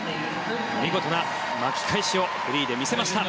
見事な巻き返しをフリーで見せました。